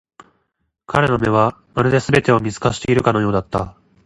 彼の目は、まるで全てを見透かしているかのようだった。